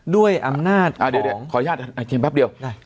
ด้วยอำนาจของอ่าเดี๋ยวเดี๋ยวขออนุญาตอ่ะเทียมแป๊บเดียวได้